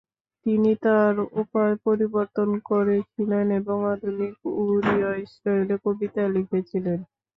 তিনি তার উপায় পরিবর্তন করেছিলেন এবং আধুনিক ওড়িয়া স্টাইলে কবিতা লিখেছিলেন।